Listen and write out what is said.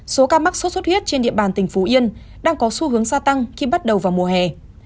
số ca mắc sốt xuất huyết trên địa bàn tỉnh phú yên đang có xu hướng gia tăng khi bắt đầu vào mùa hè